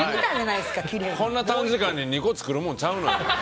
こんな短時間に２個作るもんちゃうのよ。